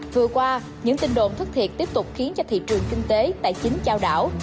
vừa qua những tin đồn thất thiệt tiếp tục khiến cho thị trường kinh tế tài chính trao đảo